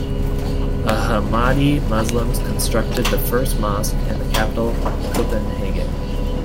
Ahmadi Muslims constructed the first mosque in the capital, Copenhagen.